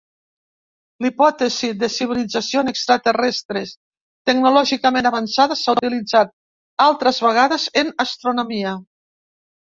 La hipòtesi de civilitzacions extraterrestres tecnològicament avançades s’ha utilitzat altres vegades en astronomia.